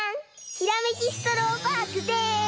ひらめきストローパークです！